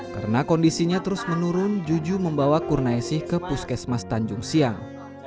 karena kondisinya terus menurun juju membawa kurna esih ke puskesmas tanjung siang